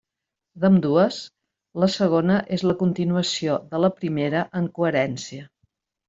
D'ambdues, la segona és la continuació de la primera en coherència.